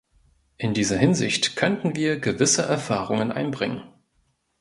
In dieser Hinsicht könnten wir gewisse Erfahrungen einbringen.